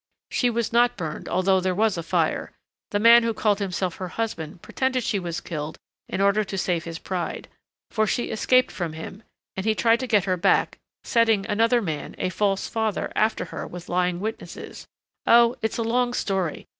"She was not burned although there was a fire. The man who called himself her husband pretended she was killed in order to save his pride. For she escaped from him. And he tried to get her back, setting another man, a false father, after her with lying witnesses Oh, it's a long story!